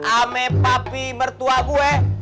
ama papi mertua gua eh